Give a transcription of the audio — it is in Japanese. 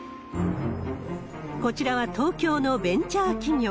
こちらは東京のベンチャー企業。